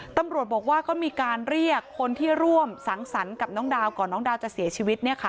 ตำรวจบอกว่าก็มีการเรียกคนที่ร่วมสังสรรค์กับน้องดาวก่อนน้องดาวจะเสียชีวิต